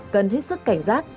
cần hết sức cảnh giác